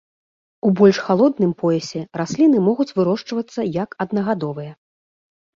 У больш халодным поясе расліны могуць вырошчвацца як аднагадовыя.